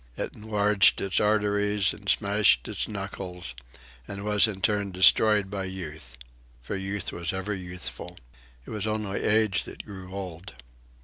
It enlarged its arteries and smashed its knuckles, and was in turn destroyed by Youth. For Youth was ever youthful. It was only Age that grew old.